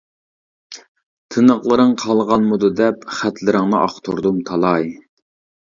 تىنىقلىرىڭ قالغانمىدۇ دەپ، خەتلىرىڭنى ئاختۇردۇم تالاي.